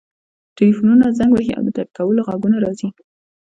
ټیلیفونونه زنګ وهي او د ټایپ کولو غږونه راځي